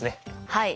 はい。